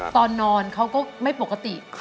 ตอนนอนเขาก็ไม่ปกติ